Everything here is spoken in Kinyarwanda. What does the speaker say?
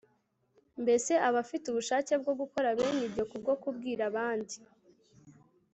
Mbese abafite ubushake bwo gukora bene ibyo kubwo kubwira abandi